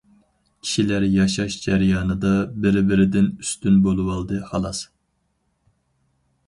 كىشىلەر ياشاش جەريانىدا بىرى بىرىدىن ئۈستۈن بولۇۋالدى خالاس.